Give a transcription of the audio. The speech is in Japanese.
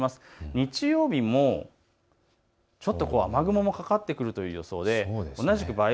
日曜日もちょっと雨雲もかかってくるという予想で同じく梅雨